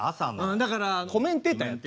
だからコメンテーターやって。